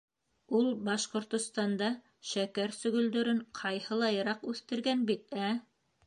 Ул Башҡортостанда шәкәр сөгөлдөрөн ҡайһылайыраҡ үҫтергән бит, ә?